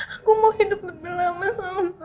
aku mau hidup lebih lama sama